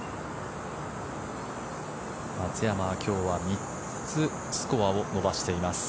松山は今日は３つスコアを伸ばしています。